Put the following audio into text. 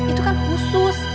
obat bah itu kan khusus